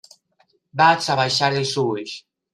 Vaig abaixar els ulls.